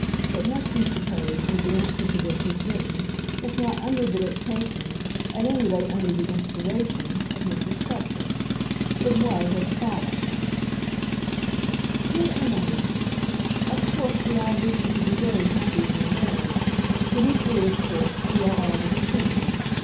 It must be supposed that the answer to this was written, if not under the dictation, at any rate under the inspiration, of Mrs. Fletcher. It was as follows: DEAR EMILY, Of course we all wish you to be very happy in your marriage, but equally of course we are all disappointed.